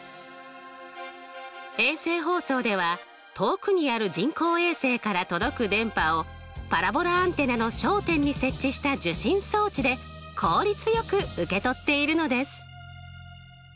衛星放送では遠くにある人工衛星から届く電波をパラボラアンテナの焦点に設置した受信装置で効率よく受け取っているのです。